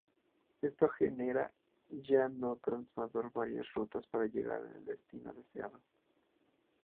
Esto genera ya no transbordar varias rutas para llegar a el destino deseado.